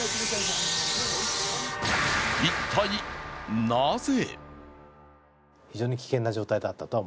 一体なぜ？